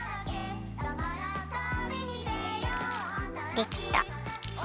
できた。